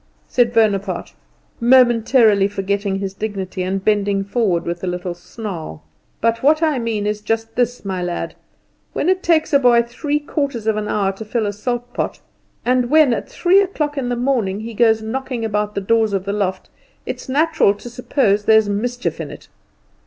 said Bonaparte, momentarily forgetting his dignity, and bending forward with a little snarl. "But what I mean is just this, my lad when it takes a boy three quarters of an hour to fill a salt pot, and when at three o'clock in the morning he goes knocking about the doors of a loft, it's natural to suppose there's mischief in it.